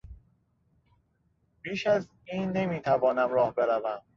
بیش از این نمیتوانم راه بروم.